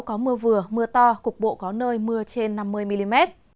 có mưa vừa mưa to cục bộ có nơi mưa trên năm mươi mm